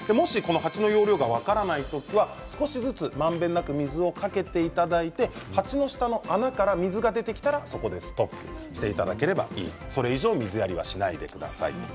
容量が分からない時には少しずつまんべんなく水をかけていただいて鉢の下の穴から水が出てきたらそこでストップしていただければそれ以上水やりはしないでください。